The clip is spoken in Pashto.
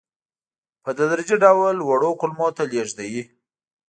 په تدریجي ډول وړو کولمو ته لېږدوي.